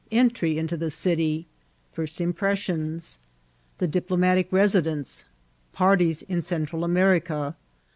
— Entry into the City.— First Impressions.— The Dipkmiatic Residenee.— Patties in Central America.